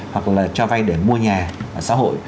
hoặc là cho vay để mua nhà ở xã hội